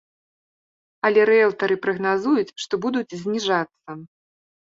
Але рыэлтары прагназуюць, што будуць зніжацца.